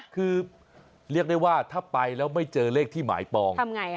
คือเรียกได้ว่าถ้าไปแล้วไม่เจอเลขที่หมายปองทำไง